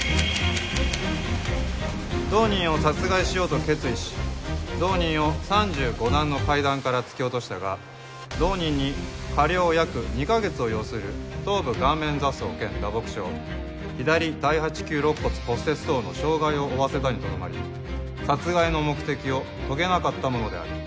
同人を殺害しようと決意し同人を３５段の階段から突き落としたが同人に加療約２か月を要する頭部顔面挫創兼打撲傷左第８・９肋骨骨折等の傷害を負わせたにとどまり殺害の目的を遂げなかったものである。